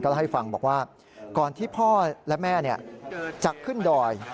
เล่าให้ฟังบอกว่าก่อนที่พ่อและแม่จะขึ้นดอย